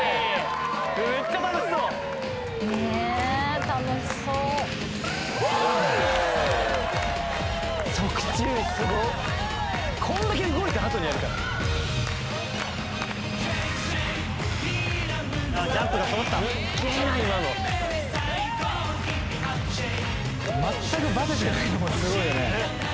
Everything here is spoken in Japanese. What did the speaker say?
むっちゃ楽しそうねえ楽しそう・側宙すごっ・こんだけ動いたあとにやるからあっジャンプがそろった・全くバテてないのもすごいよね